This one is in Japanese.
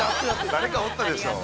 ◆誰かおったでしょう。